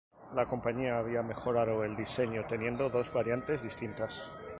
La compañía había mejorado el diseño teniendo dos variantes distintas.